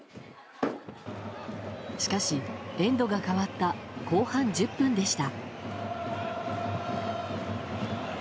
しかし、エンドが変わった後半１０分でした。